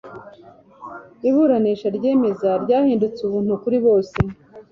iburanisha ryemeza ryahindutse ubuntu-kuri-bose